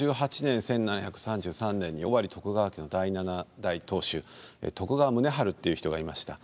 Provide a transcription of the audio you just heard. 享保１８年１７３３年に尾張徳川家第七代当主徳川宗春という人がいました。